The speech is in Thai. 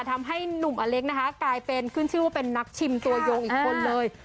ทำให้หนุ่มอเล็กนะคะกลายเป็นขึ้นชื่อว่าเป็นนักชิมตัวยงอีกคนเลย